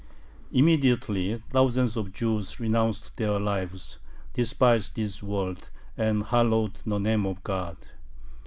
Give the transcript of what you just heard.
Immediately thousands of Jews renounced their lives, despised this world, and hallowed the name of God.